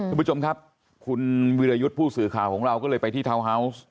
คุณผู้ชมครับคุณวิรยุทธ์ผู้สื่อข่าวของเราก็เลยไปที่ทาวน์ฮาวส์